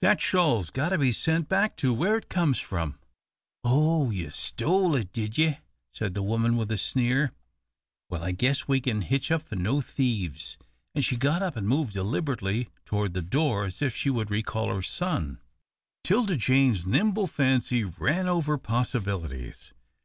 "That shawl's got to be sent back to where it comes from." "Oh, you stole it, did ye?" said the woman, with a sneer. "Well, I guess we kin hitch up for no thieves," and she got up and moved deliberately toward the door as if she would recall her son. 'Tilda Jane's nimble fancy ran over possibilities.